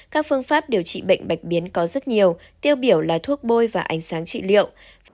các phương pháp điều trị bệnh bạch biến có rất nhiều tiêu biểu là thuốc bôi và ánh sáng trị liệu